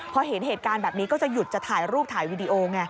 พอเห็นเหตุการณ์แบบนี้ก็จะหยุดจะถ่ายรูปถ่ายวีดีโอไง